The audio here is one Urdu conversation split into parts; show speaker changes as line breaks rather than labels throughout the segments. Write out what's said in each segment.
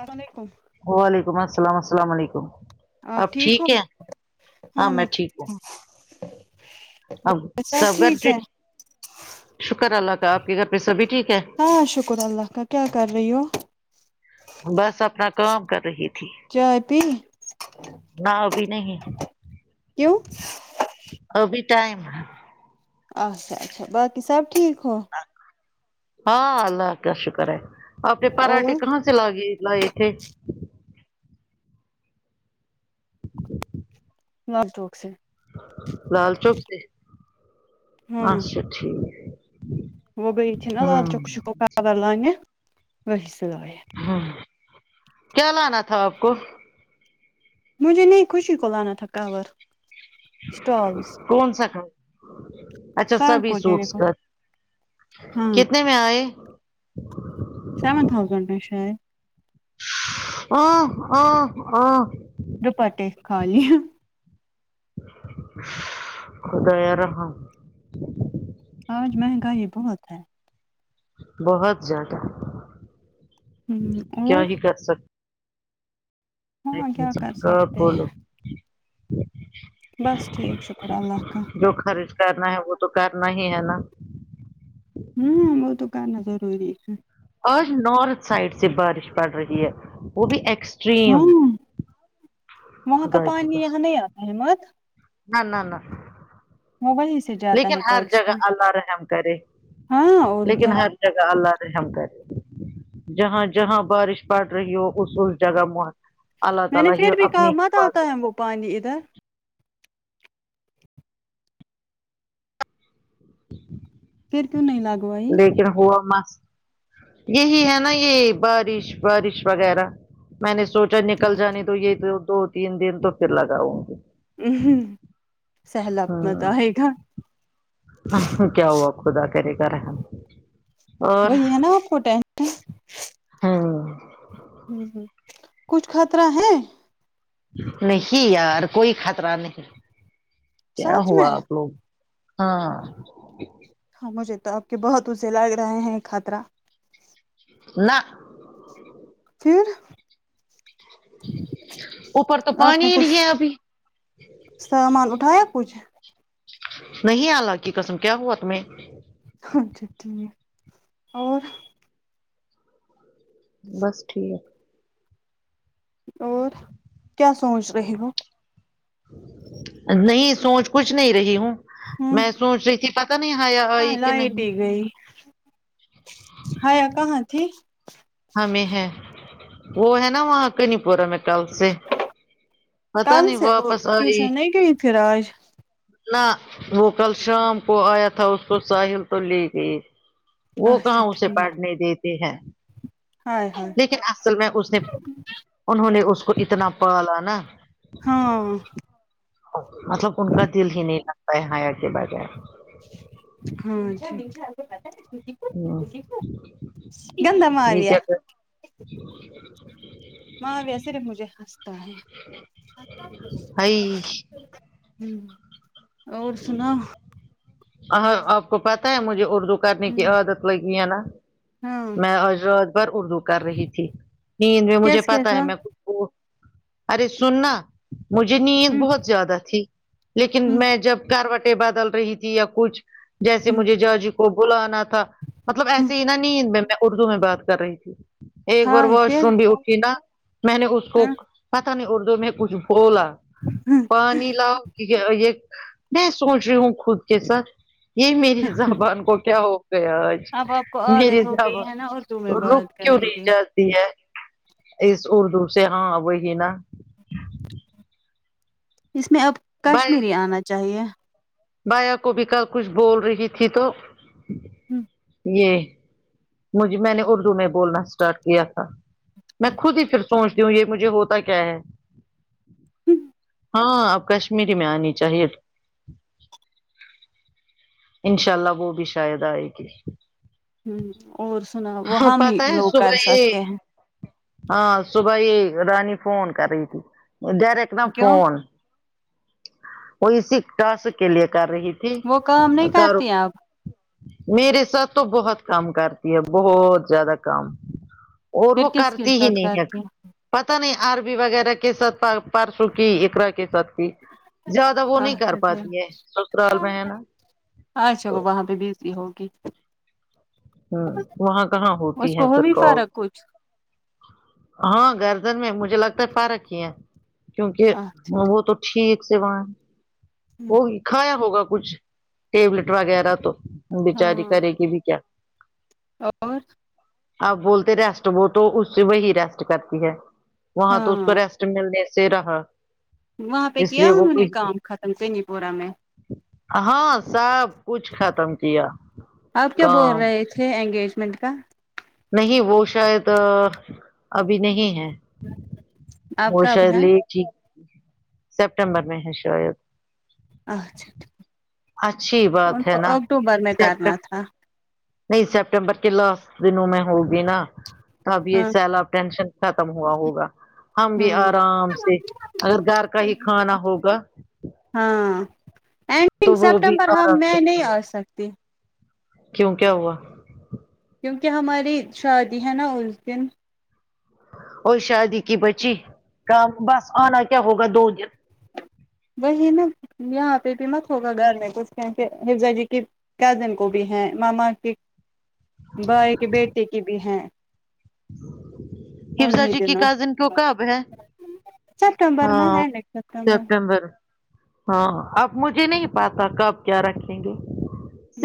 السلام علیکم
وعلیکم السلام السلام علیکم
آپ ٹھیک ہو ہاں میں ٹھیک ہوں
اب سب گھر پہ شکر اللہ کا آپ کے گھر پہ سبھی ٹھیک ہے
ہاں شکر اللہ کا کیا کر رہی ہو
بس اپنا کام کر رہی تھی
چائے پی
نہ ابھی نہیں
کیوں
ابھی ٹائم ہے
اچھا اچھا باقی سب ٹھیک ہے
ہاں اللہ کا شکر ہے آپ نے
اور
پراٹے کہاں سے اچھے لگے لیے تھے [inaudible]
لال چوک سے
لال چوک سے
ہاں
اچھا ٹھیک ہے
وہ گئی تھی نا لال چوک کور لانے وہی سے لایں
ہ کیا لانا تھا آپ کو
مجھے نہیں خوشی کو لانا تھا کور اسٹالس
کون سا کور اچھا
سر
سبھی
کو دینے
سوٹس
کو
کا
ہاں
کتنے میں آیے
سیون تھاؤزینڈ میں شاید
اوہ اوہ اوہ
ڈوپٹے کھالی
خدا یا رحم
آج مہنگائی بہت ہے
بہت زیادہ
ہوں
کیا
اور
ہی کر سک
ہاں کیا کر
[unintelligible] کا
سکتے ہیں
بولو
بس ٹھیک شکر ہے اللہ کا
[unintelligible] کرنا ہے وہ تو کرنا ہی ہے نا
ہوں وہ تو کرنا ضروری ہے
آج نارتھ سائڈ سے بارش پڑ رہی ہے وہ بھی
ہاں
ایکسٹریم
وہاں کا
خدا کی
پانی یہاں
قسم
نہیں آتا ہے مت
نہ نہ نہ
موبائلس
لیکن ہر جگہ اللہ رحم کرے
ہاں اور
لیکن
کیا
ہر جگہ اللہ رحم کرے جہاں جہاں بارش پڑ رہی ہو اس اس جگہ اللہ
میں نے
تعالی ہی
پھر بھی
اپنی
کہا مت
حفاظت
آتا ہے وہ پانی ادھر پھر کیوں نہیں لگ
لیکن ہوا مس یہی ہے نا یہ بارش بارش وغیرہ میں نے سوچا نکل جانے تو یہ دو تین دن تو پھر لگا ہوں گی
تب مت اے
ہاں
گا
کیا ہوا خدا کرے گا رحم اور
وہی ہے نا آپ کو ٹائم
ہاں
ہوں ہوں کچھ خطرہ ہے
نہیں یار کوئی خطرہ نہیں کیا
سچ
ہوا
میں
آپ لوگ ہاں
ہاں مجھے تو آپ کے باتوں سے لگ رہا ہیں خطرہ
نہ
پھر
اوپر تو
آپ
پانی
نے
ہی
کچھ
نہیں ہے ابھی
سامان اٹھایا کچھ
نہیں اللہ کی قسم کیا ہوا تمہیں
اچھا ٹھیک اور
بس ٹھیک
اور کیا سوچ رہی ہو
نہیں سوچ کچھ نہیں رہی ہوں
ہوں
میں سوچ رہی تھی پتا نہیں حیا
ہاں
آئی کی نہیں
حیا کہاں تھی
ہمیں ہے وہ ہے نا وہاں کنی پورم میں کل سے پتہ
کل
نہیں
سے وہ
واپس آئی
ٹیوشن نہیں گئی پھر آج
نہ وہ کل شام کو آیا تھا اس کو ساحل تو لے گئی وہ کہاں
اچھا
اسے
ٹھیک ہے
پڑھنے دیتے ہے
ہائے ہائے
لیکن اصل میں اس نے انہوں نے اس کو اتنا پالا نا
ہاں
مطلب ان کا دل ہی نہیں لگتا ہے حیا کے بغیر
ہوں
ہ
ٹھیک گندا
یہ
ماریہ
کیا
معاویہ صرف مجھے ہنستا ہے
بھائی
ہم اور سناؤں
ہ آپ کو پتا ہے مجھے اردو کرنے کی
ہمم
عادت لگی ہے نا
ہاں
میں آج رات بھر اردو کر رہی تھی نیند میں مجھے
کیس
پتا ہے
کیسا
میں بوٹ ارے سننا مجھے نیند
ہمم
بہت زیادہ تھی لیکن
ہمم
میں جب کروٹیں بدل رہی تھی یا کچھ جیسے
ہمم
مجھے جاجی کو بلانا تھا مطلب
ہمم
ایسے ہی نا نیند میں میں اردو میں بات کر رہی تھی ایک بار
ہائے
واش
پھر
روم بھی اٹھی نا میں نے اس کو
ہاں
پتا نہیں اردو میں کچھ بولا
ہمم
پانی لاؤ یہ یہ میں سوچ رہی ہوں خود کے ساتھ یہ میری زبان کو کیا ہو گیا آج
اب آپ کو
میرے
عادت ہو
ربا
گئی ہے نا اردو میں
تو رک
بات
کیوں
کرنے
نہیں
کی
جات تی ہے اس اردو سے ہاں وہی ہیں نا
اس میں اب کشمیری آنا چاہیے
بھیا کو بھی کل کچھ بول رہی تھی تو
ہوں
یہ مجھ میں نے اردو میں بولنا اسٹارٹ کیا تھا میں
ہمم
خود ہی پھر سوچتی ہوں یہ مجھے ہوتا کیا ہے ہاں اب کشمیری میں آنی چاہیے تھی انشاء اللہ وہ بھی شاید آئے گی
ہوں اور سنا وہاں بھی
پتا ہے
لوگ
صبح
کر
یہ
سکتے ہیں
ہاں صبح ہی رانی فون کر رہی تھی ڈریکٹ نا
کیوں
فون وہ اسی ٹاسک کے لیے کر رہی تھی
وہ کام نہیں
کرو
کرتی آپ
میرے ساتھ تو بہت کام کرتی ہے بہت زیادہ کام اور
پھر
وہ
کس کے
کرتی ہی
ساتھ
نہیں ہے
کرتی
پتا نہیں آربی وغیرہ کے ساتھ پرسو کی اقرا کے ساتھ کی زیادہ وہ نہیں کر
ہیں؟
پاتی ہے سسرال میں ہے نا
اچھا وہ
تو
وہاں پہ بیزی ہوگی
ہ وہاں کہاں
اس
ہوتی
کو
ہے پھر
ہوگی
کال
فرق کچھ
ہاں گردن میں مجھے لگتا ہے فارک ہی ہے کیونکہ
ہاں
وہ تو ٹھیک سے وہاں وہ ہوگی کھایا ہوگا کچھ ٹیبلیٹ وغیرہ تو بچاری کرے گی بھی کیا
اور
آپ بولتے ریسٹ وہ تو اس سے وہی ریسٹ کرتی ہے وہاں تو
ہاں
اس کو ریسٹ ملنے سے رہا
وہاں پہ
اس
کیا
لیے
انہوں نے کام ختم نیپورہ میں
آ ہاں سب کچھ ختم کیا کام
کے انگیجمنٹ کا
نہیں وہ شاید آ ابھی نہیں ہے
آپ
وہ
کب
شاید
ہے
لیٹ تھی سپٹمبر میں ہے شاید
اچھا ٹھیک
اچھی بات ہے نا
اکٹوبر میں کرنا
سپتم
تھا
نہیں سپٹمبر کے لاسٹ دنوں میں ہو بھینا تو اب یہ
ہاں
سیلاب ٹینشن ختم ہوا ہوگا ہم بھی
ہاں
آرام سے اور گھر کا ہی کھانا ہوگا
ہاں آیی تھینک
تو وہ بھی
سپٹمبر ہم
آرام سے
میں نہیں
کھانے
آ سکتی
کیوں کیا ہوا
کیونکہ ہماری شادی ہے نا اس دن
او شادی کی بچی کام بس آنا کیا ہوگا دو دن
وہی نا یہاں پہ بھی مت ہوگا گھر میں تو اس ہفزا جی کے کزن کو بھی ہیں ماما کی بھائی کے بیٹی کی بھی ہیں
حفزا
انیں
جی کی
دنوں
کزن کو کب ہے
سپٹمبر میں
ہاں
ہے نیکسٹ
سپٹمبر ہاں اب مجھے نہیں پتا کب کیا رکھیں گے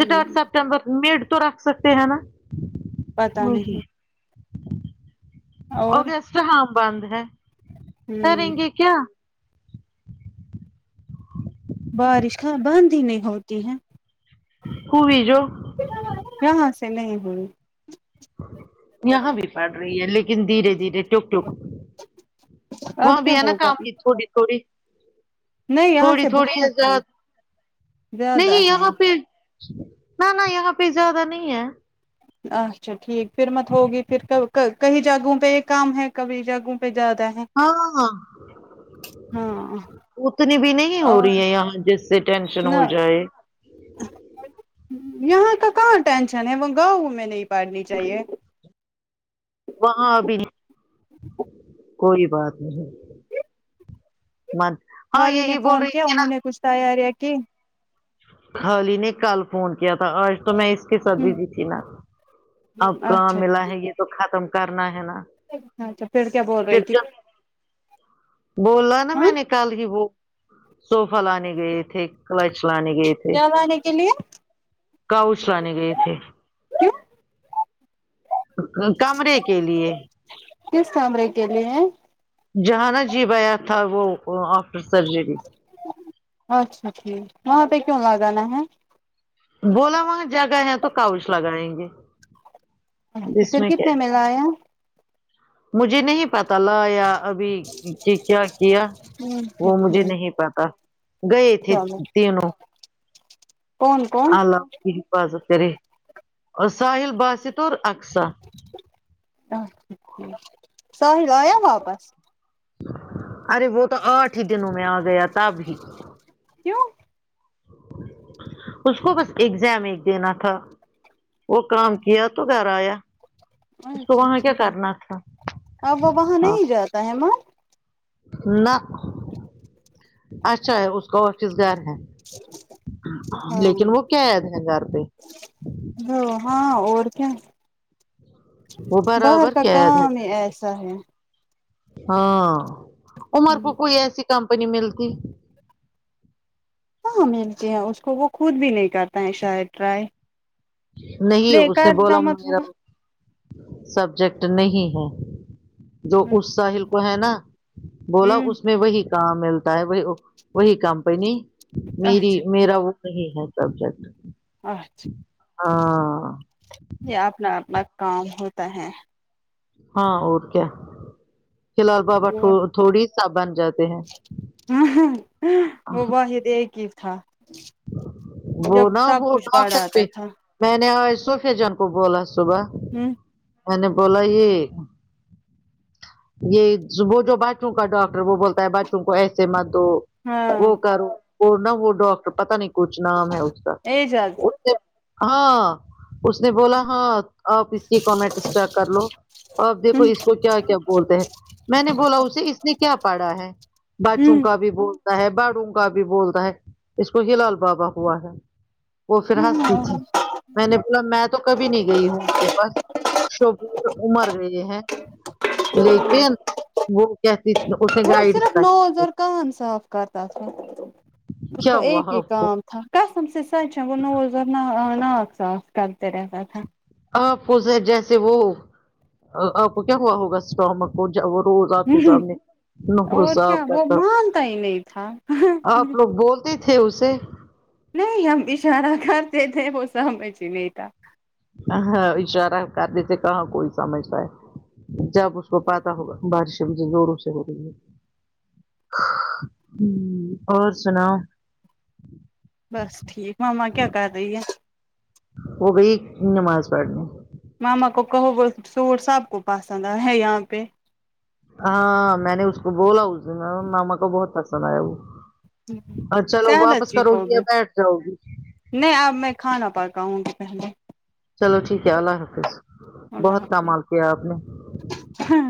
ہ
کمبخت میڈ تو رکھ سکتے ہیں نا
پتا نہیں اور
اگسٹ ہاں بند ہے کریں
ہ
گے کیا
بارش کیا بند ہی نہیں ہوتی ہے
ہوئی جو
یہاں سے نہیں ہوئی
یہاں بھی پڑ رہی ہے لیکن دھیرے دھیرے ٹپ ٹپ وہاں
اب
بھی
کیا
ہے نا
ہوگا
کافی تھوڑی تھوڑی
نہیں یہاں
تھوڑی
سے
تھوڑی یہ
بہت ہے
زیاد
زیادہ
نہیں
ہے
یہاں پھر نہ نہ یہاں پہ زیادہ نہیں ہے
اچھا ٹھیک پھر مت ہوگی پھر کل کئی جگہوں پہ یہ کم ہے کبھی جگہوں پہ زیادہ ہے
ہاں
ہاں
اتنی بھی نہیں ہو
اور
رہی ہے یہاں جس سے ٹینشن ہو
نہ
جائے
یہاں کا کہاں ٹینشن ہے وہ گاؤں میں نہیں پڑنی چاہیے
وہاں ابھی کوئی بات نہیں من ہاں
گھالی نے
یہی بول
فون
رہی
کیا
تھی نا
انہوں نے کچھ تیاریاں کی
گھالی نے کل فون کیا تھا آج تو میں اس کے ساتھ
ہ
بیذیتھی نہ اب کہاں
اچھا
ملا ہے
ٹھیک
یہ تو ختم کرنا ہے نا
اچھا پھر کیا بول رہی تھی
گرجا بولا نہ
ہاں
مینے کل ہی وہ سوفا لانے گئے تھے کلچ لانے گئے تھے
کیا لانے کے لئے
کاؤش لانے گئے تھے
ہوں
کمرے کے لیے
کس کمرے کے لیے
جہانا جی بھا یا تھا وہ آفٹر سرجری
اچھا ٹھیک وہاں پہ کیا لگانا ہے
بولو وہا جگہ ہے تو کونس لگاے گے
اچھا
اس
پھر
میں کیا
کتنے
ہے؟
مل آیا
مجھے نہیں پتا لا یا ابھی کہ کیا کیا
اچھا
وہ مجھے
ٹھیک
نہیں پتا گئے تھے
چلو
تینوں
کون کون
اللہ اپ کی حفاظت کرے اور ساحل باسط اور اقصاء
اچھا ٹھیک ساحل آیا واپس
ارے وہ تو آٹھ ہی دنوں میں آ گیا تب ہی
کیوں
اس کو بس ایگزام ایج دینا تھا وہ کام کیا تو گھر آیا اس کو
اچھا
وہاں کیا
ٹھیک
کرنا تھا
اب وہ وہاں
ہاں
نہیں جاتا ہے ناں
نہ اچھا ہے اس کو آفس گھر ہے
ہاں
لیکن وہ قید ہے گھر پہ
وہ ہاں اور کیا
وہ
باہر
برابر
کا
قید ہے
کام ہی
گھر پہ
ایسا ہے
ہاں عمر کو
ہ
کوئی ایسی کمپنی ملتی
ہاں ملتی ہیں اس کو وہ خود بھی نہیں کرتا ہیں شاید ٹرائی
نہیں
لے
اس نے
کرنا
بولا
مت
مجھے
ہوگا
اب سبجیکٹ نہیں ہے جو
ہ
اس ساحل کو ہے نا بولا
ہوں
اس وہی کام ملتا ہے وہ وہی کمپنی میری
اچھا
میرا وہ وہی ہے سبجیکٹ
اچھا
ہاں
یہ اپنا اپنا کام ہوتا ہے
ہاں اور کیا فی الحال بابا تھو
وہ
تھوڑی سا بن جاتے ہیں
وہ واحد ایک ہی تھا
وہ
جب
نا
سب
وہ
کچھ
کھا
باہر آتا
سکتے
تھا
میں نے صوفہ جان کو بولا صبح
ہوں
میں نے بولا یہ یہ جو بچوں کا ڈاکٹر وہ بولتا ہے بچوں کو ایسے مت دو
ہاں
وہ کرو وہ نہ وہ ڈاکٹر پتا نہیں کچھ نام ہے اس کا
اے جلدی
اس ہاں اس نے بولا ہاں آپ اس کی کیمنٹس چیک کر لو آپ
ہ
دیکھو اس وہ کیا کیا بولتے ہیں میں نے بولا اسے اس نے کیا پڑھا ہے بچوں
ہ
کا بھی بولتا ہے بڑوں کا بھی بولتا ہے اس کو ہیلال بابا ہوا ہے وہ پھر ہنستی تھی میں نے بولا میں تو کبھی نہیں گئی ہوں اس کے پاس شوق عمر بھیجیں ہیں لیکن وہ کہتی تھی اس نے
وہ
گائڈ
صرف نوز اور کان صاف کرتا تھا اس کو
کیا ہوا
ایک ہی
آپ کو
کام تھا قسم سے سچ ہے وہ نوز نا ناک صاف کرتے رہتا تھا
آپ اسےجیسے وہ آ آپ کو کیا ہوا ہوگا اسٹاما وہ کیا وہ روز آپ کے سامنے ناخن
اور
صاف
کیا وہ
کرتا
مانتا ہی نہیں تھا
آپ لوگ بولتے تھے اسے
نہیں ہم اشارہ کرتے تھے وہ سمجھ لیتا
ہاں اشارہ کرنےسے کہاں کوئی سمجھتا ہے جب اس کو پتا ہوگا بارش ادھر زوروں سے ہو رہی ہے ہاں امم اور سناوں
بس ٹھیک ہے میں کیا کر رہی ہوں
ہوگئی نماز پڑھ لوں
ماما کو کہو وہ سوٹ سب کو پسند ہے ہے یہاں پہ
ہاں میں نے اس کو بولا اس دن ماما کو بہت پسند آیا وہ اب چلو
سہلت
واپس
جی کو
کرواٹھکے
بھی
بیٹھ جاؤں گی
نہیں اب میں کھانا پکاؤنگی پہلے
چلو ٹھیک ہے اللہ حافظ
اللہ
بہت
حافظ
کمال کیا آپ نے
امم